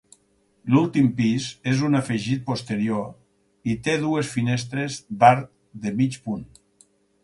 L'últim pis és un afegit posterior i té dues finestres d'arc de mig punt.